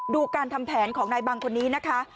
การทำแผนของนายบังคนนี้นะคะ